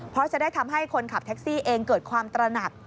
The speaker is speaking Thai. เพราะจะได้ทำให้คนขับแท็กซี่เองเกิดความตระหนัก